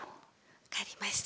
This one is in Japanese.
分かりました。